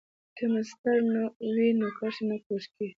که مسطر وي نو کرښه نه کوږ کیږي.